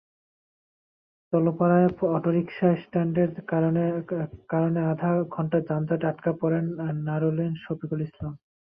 চেলোপাড়ায় অটোরিকশাস্ট্যান্ডের কারণে আধা ঘণ্টা যানজটে আটকা পড়েন নারুলীর শফিকুল ইসলাম।